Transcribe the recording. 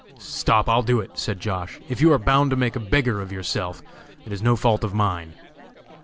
"Stop, I'll do it!" said Josh.; "if you are bound to make a beggar of yourself it is no fault of mine."